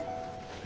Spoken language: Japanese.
え？